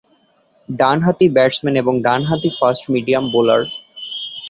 ডানহাতি ব্যাটসম্যান এবং ডানহাতি ফাস্ট-মিডিয়াম বোলার।